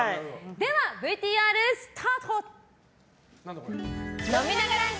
では、ＶＴＲスタート！